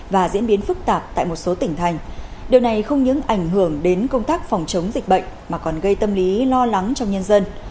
và diễn biến phức tạp tại một số tỉnh thành điều này không những ảnh hưởng đến công tác phòng chống dịch bệnh mà còn gây tâm lý lo lắng trong nhân dân